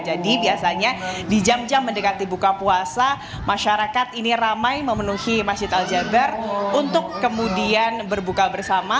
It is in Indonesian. jadi biasanya di jam jam mendekati buka puasa masyarakat ini ramai memenuhi masjid al jabar untuk kemudian berbuka bersama